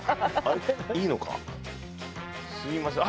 すみません。